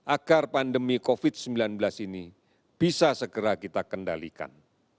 agar pandemi covid sembilan belas ini bisa segera kita kendalikan